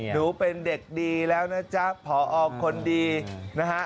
หนูเป็นเด็กดีแล้วนะจ๊ะผอคนดีนะฮะ